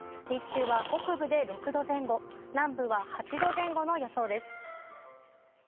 日中は北部で６度前後南部は８度前後の予想です。